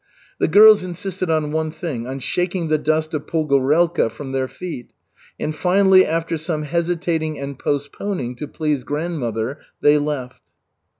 The girls insisted on one thing, on shaking the dust of Pogorelka from their feet. And finally, after some hesitating and postponing to please grandmother, they left.